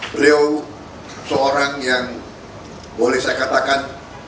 beliau seorang yang boleh saya katakan